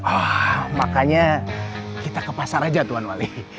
ah makanya kita ke pasar aja tuhan wali